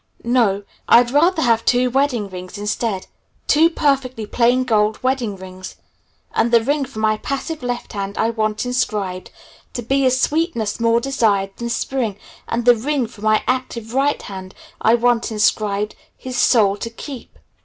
No! I'd rather have two wedding rings instead two perfectly plain gold wedding rings. And the ring for my passive left hand I want inscribed, 'To Be a Sweetness More Desired than Spring!' and the ring for my active right hand I want inscribed, 'His Soul to Keep!'